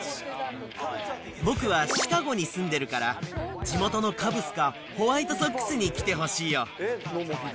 僕はシカゴに住んでるから、地元のカブスかホワイトソックスに来てほしいよ。